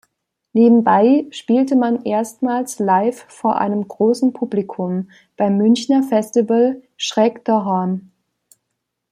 Nebenbei spielte man erstmals Live vor einem großen Publikum beim Münchener Festival "Schräg dahoam".